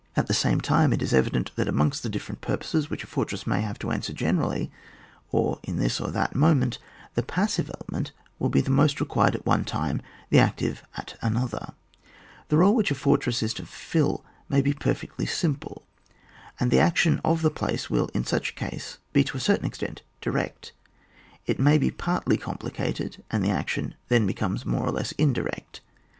At the same time it is evident that amongst the different purposes which a fortress may have to answer generally, or in this or that moment, the passive element will be most required at one time, the active at another. The role which a fortress is to fulfil may be perfectly simple, and the action of the place will in such case be to a certain extent direct ; it may be partly complicated, and the action then becomes more or less indirect.